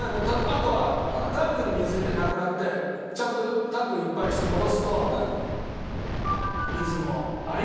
あとはタンクに水なくなってちゃんとタンクいっぱいにして戻すと。